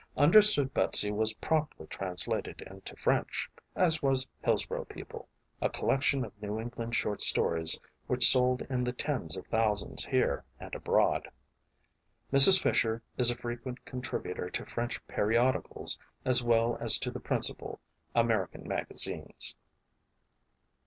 Understood Betsy was promptly translated into French, as was Hillsboro People, a col lection of New England short stories which sold in the tens of thousands here and abroad. Mrs. Fisher is a frequent contributor to French periodicals as well as to the principal American magazines.